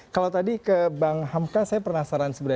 kalau tadi ke bang ham kahak saya penasaran sebenarnya